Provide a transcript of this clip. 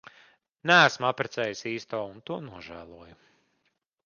Neesmu apprecējis īsto un to nožēloju.